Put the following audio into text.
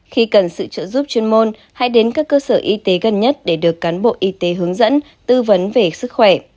khi cần sự trợ giúp chuyên môn hãy đến các cơ sở y tế gần nhất để được cán bộ y tế hướng dẫn tư vấn về sức khỏe